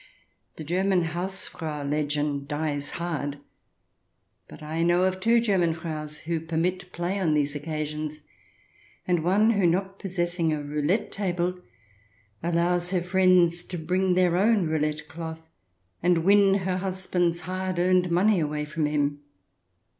The German 42 THE DESIRABLE ALIEN [ch. hi Hausfrau legend dies hard, but I know of two German Fraus who permit play on these occasions and one who, not possessing a roulette table, allows her friends to bring their own roulette cloth and win her husband's hard earned money away from him.